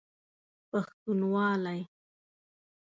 پښتونوالی